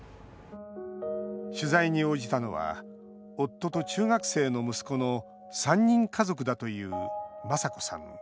取材に応じたのは夫と中学生の息子の３人家族だというマサコさん